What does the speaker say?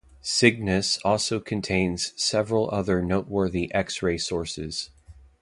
Cygnus also contains several other noteworthy X-ray sources.